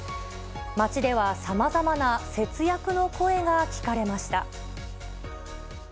街ではさまざまな節約の声が聞かれました。